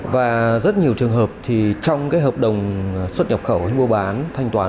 và rất nhiều trường hợp trong hợp đồng xuất nhập khẩu mua bán thanh toán